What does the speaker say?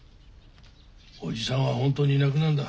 おじさんは本当にいなくなるんだ。